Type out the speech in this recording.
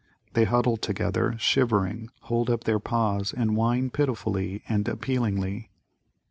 They huddle together, shivering, hold up their paws and whine pitifully and appealingly.